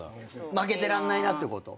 負けてらんないなってこと？